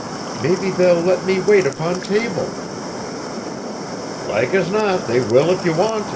"Maybe they'll let me wait upon table." "Like as not they will if ye want t'.